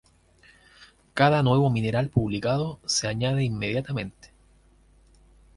Cada nuevo mineral publicado se añade inmediatamente.